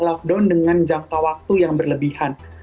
lockdown dengan jangka waktu yang berlebihan